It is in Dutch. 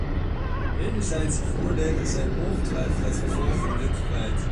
Wederzijdse voordelen zijn ongetwijfeld het gevolg van dit feit.